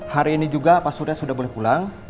hari ini juga pak surya sudah boleh pulang